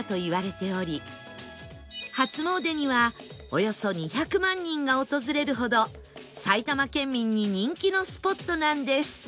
初詣にはおよそ２００万人が訪れるほど埼玉県民に人気のスポットなんです